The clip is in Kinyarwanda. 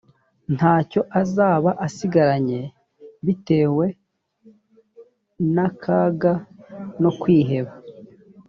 nta cyo azaba asigaranye bitewe n’akaga no kwiheba